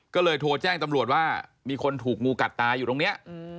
ก็เลยโทรแจ้งตำรวจว่ามีคนถูกงูกัดตายอยู่ตรงนี้